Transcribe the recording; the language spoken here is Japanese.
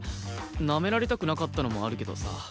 なめられたくなかったのもあるけどさ